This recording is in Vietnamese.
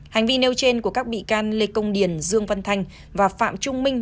hành vi nêu trên của các bị can lê công điền dương văn thanh và phạm trung minh